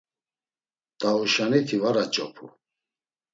T̆auşaniti var aç̌opu.